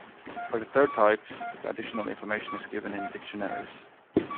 For the third type the additional information is given in dictionaries.